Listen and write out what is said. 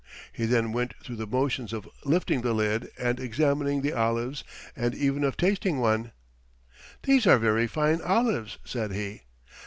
He then went through the motions of lifting the lid and examining the olives and even of tasting one. "These are very fine olives," said he.